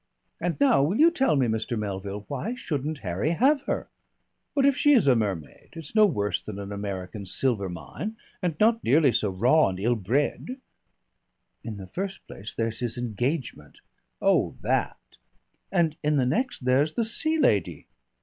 And now will you tell me, Mr. Melville, why shouldn't Harry have her? What if she is a mermaid? It's no worse than an American silver mine, and not nearly so raw and ill bred." "In the first place there's his engagement " "Oh, that!" "And in the next there's the Sea Lady."